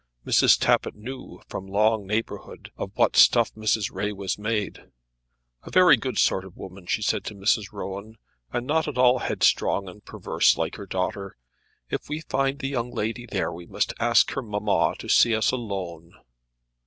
Mrs. Tappitt knew, from long neighbourhood, of what stuff Mrs. Ray was made. "A very good sort of woman," she said to Mrs. Rowan, "and not at all headstrong and perverse like her daughter. If we find the young lady there we must ask her mamma to see us alone."